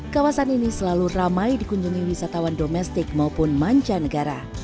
kawasan ini selalu ramai dikunjungi wisatawan domestik maupun mancanegara